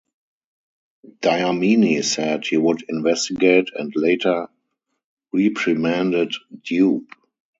Dlamini said he would investigate and later reprimanded Dube.